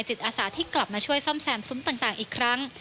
อาสาที่กลับมาช่วยซ่อมแซมซุ้มต่างอีกครั้ง